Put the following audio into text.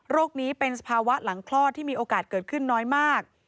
นี้เป็นสภาวะหลังคลอดที่มีโอกาสเกิดขึ้นน้อยมาก